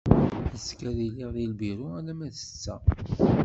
Azekka ad iliɣ di lbiru alarma d setta.